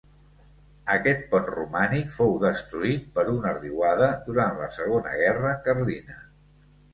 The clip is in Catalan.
Aquest pont romànic fou destruït per una riuada durant la segona guerra carlina.